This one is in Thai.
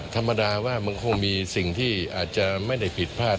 ธรรมดาว่ามันคงมีสิ่งที่อาจจะไม่ได้ผิดพลาด